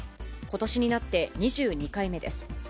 ことしになって２２回目です。